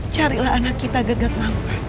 carilah anak kita gegak lampar